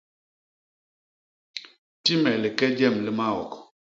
Ti me like jem li maok.